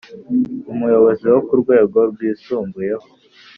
umuyobozi wo ku rwego rwisumbuyeho.